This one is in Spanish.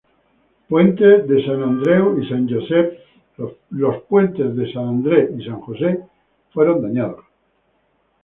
Puentes en Saint Andrew y Saint Joseph fueron dañados.